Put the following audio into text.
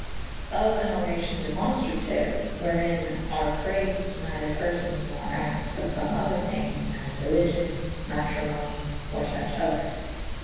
Of an oracion demonftratyue / wherin are praifed neither per fones nor actes / but feme other thynge °/ as religion / matrimony / or fuche other.